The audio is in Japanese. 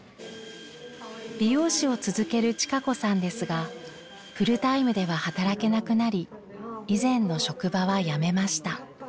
美容師を続ける千香子さんですがフルタイムでは働けなくなり以前の職場は辞めました。